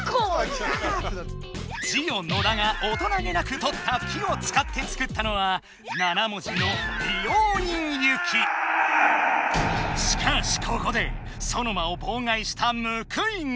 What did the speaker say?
ジオ野田が大人げなくとった「き」を使って作ったのは７文字のしかしここでソノマをぼうがいしたむくいが！